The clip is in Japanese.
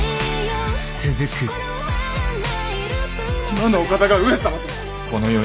今のお方が上様とは！